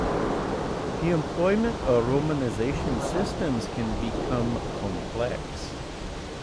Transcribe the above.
The employment of romanization systems can become complex.